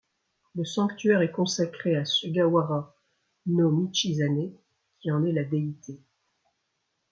Le sanctuaire est consacré à Sugawara no Michizane qui en est la déité.